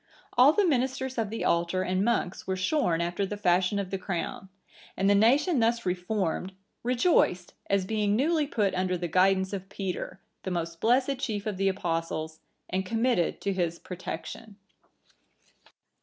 (987) All the ministers of the altar and monks were shorn after the fashion of the crown; and the nation thus reformed, rejoiced, as being newly put under the guidance of Peter, the most blessed chief of the Apostles, and committed to his protection.